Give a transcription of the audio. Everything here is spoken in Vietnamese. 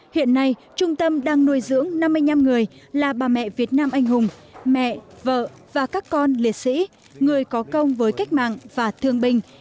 hiện nay trung tâm đang nuôi dưỡng năm mươi năm người là bà mẹ việt nam anh hùng mẹ vợ và các con liệt sĩ người có công với cách mạng và thương binh